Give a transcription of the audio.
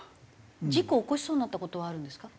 事故を起こしそうになった事はあるんですか？